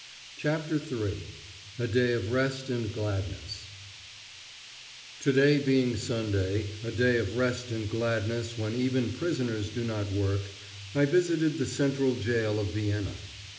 CHAPTER III—A DAY OF REST AND GLADNESS Today being Sunday, a day of rest and gladness when even prisoners do not work, I visited the central gaol of Vienna.